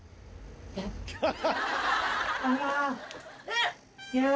えっ！